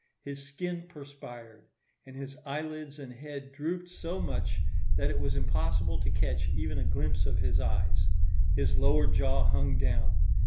His skin perspired; and his eyelids and head drooped so much that it was impossible to catch even a glimpse of his eyes. His lower jaw hung down.